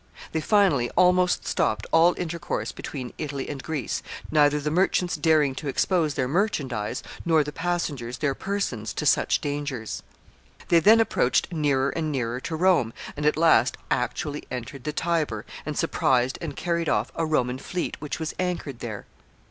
They finally almost stopped all intercourse between Italy and Greece, neither the merchants daring to expose their merchandise, nor the passengers their persons to such dangers. They then approached nearer and nearer to Rome, and at last actually entered the Tiber, and surprised and carried off a Roman fleet which was anchored there.